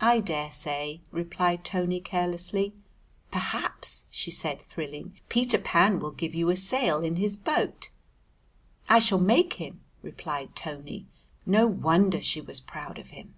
"I daresay," replied Tony, carelessly. "Perhaps," she said, thrilling, "Peter Pan will give you a sail in his boat!" "I shall make him," replied Tony; no wonder she was proud of him.